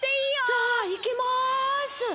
・じゃあいきます！